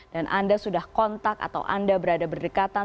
dan anda sudah kontak atau anda berada berdekatan